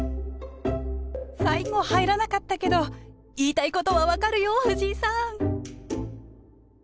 最後入らなかったけど言いたいことは分かるよ藤井さん